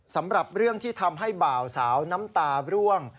สำหรับเรื่องที่ทำให้บ่าวสาวน้ำตาร่วง